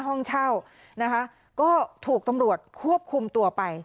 ห้องเช่านะคะก็ถูกตำรวจควบคุมตัวไป